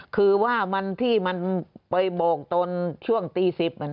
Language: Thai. คือว่ามันที่มันไปโบกตอนช่วงตี๑๐